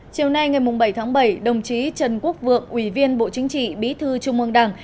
chiều nay ngày bảy tháng bảy đồng chí trần quốc vượng ủy viên bộ chính trị bí thư trung ương đảng